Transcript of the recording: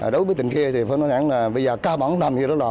đối với tỉnh khê phân đấu trọng điểm là bây giờ cao bóng đầm như đó là